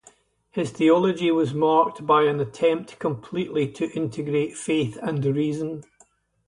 His theology was marked by an attempt completely to integrate faith and reason.